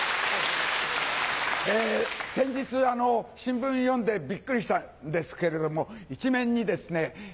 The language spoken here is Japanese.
先日新聞読んでビックリしたんですけれども一面にですね